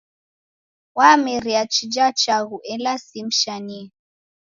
Wamerie chija chaghu ela simshanie.